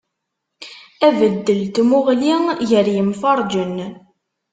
Abeddel n tmuɣli gar yimferǧen.